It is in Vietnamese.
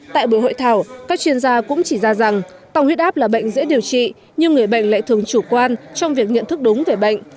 tại buổi hội thảo các chuyên gia cũng chỉ ra rằng tăng huyết áp là bệnh dễ điều trị nhưng người bệnh lại thường chủ quan trong việc nhận thức đúng về bệnh